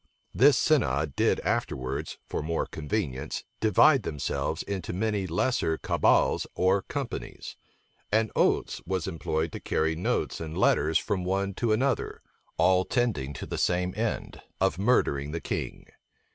This synod did afterwards, for more convenience, divide themselves into many lesser cabals or companies; and Oates was employed to carry notes and letters from one to another, all tending to the same end, of murdering the king.